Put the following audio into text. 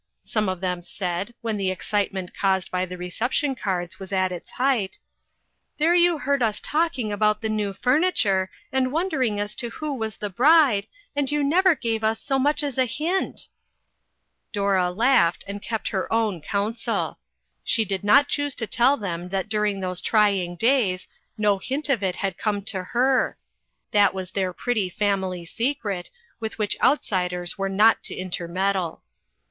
" some of them said, when the excitement caused by the reception cards was at his height, " there you heard us talking about the new furniture, and wondering as to who was the bride, and you never gave us so much as a hint !" Dora laughed, and kept her own counsel. She did not choose to tell them that dur A FAMILY SECRET. 44! ing those trying days no hint of it had come to her. That was their pretty family secret, with which outsiders were not to intermeddle.